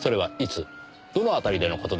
どの辺りでの事でしょう？